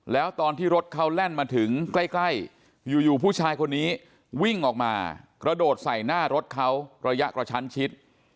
แล้วตอนที่รถเขาแล่นมาถึงใกล้อยู่ผู้ชายคนนี้วิ่งออกมากระโดดใส่หน้ารถเขาระยะกระชั้นชิด